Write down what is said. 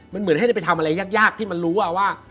มันเหมือนให้ได้ไปทำอะไรยากที่มันรู้ว่า